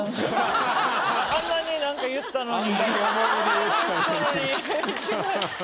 あんなに思い入れ言ったのに。